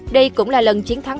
đây cũng là lần chiến thắng